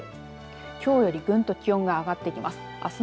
きょうより、ぐんと気温が上がってきます。